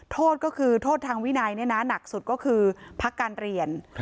โทษก็คือโทษทางวินัยหนักสุดก็คือพักการเรียน